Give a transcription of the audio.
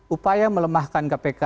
upaya melemahkan kpk